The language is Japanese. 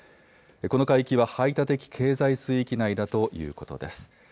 この海域は排他的経済水域内だということです。